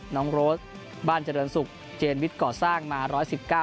น้องโรสบ้านเจริญศุกร์เจนวิทย์ก่อสร้างมา๑๑๙